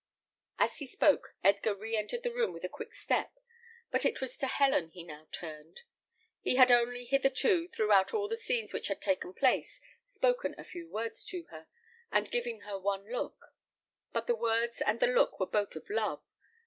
As he spoke, Edgar re entered the room with a quick step; but it was to Helen he now turned. He had only hitherto, throughout all the scenes which had taken place, spoken a few words to her, and given her one look; but the words and the look were both of love.